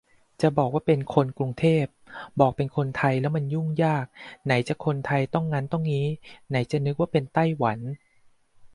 จะบอกว่าเป็น "คนกรุงเทพ" บอกเป็นคนไทยแล้วมันยุ่งยาก ไหนจะคนไทยต้องงั้นต้องงี้ ไหนจะนึกว่าเป็นไต้หวัน